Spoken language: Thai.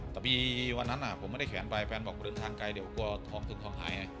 แต่มีวันนั้นผมไม่ได้แขนไปแฟนบอกผมเดินทางไกลเดี๋ยวกลัวท้องถึงท้องหายไง